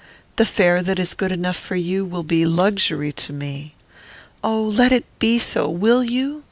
The fare that is good enough for you will be luxury to me. Oh! let it be so, will you?